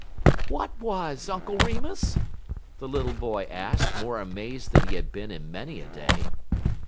"What was, Uncle Remus?" the little boy asked, more amazed than he had been in many a day.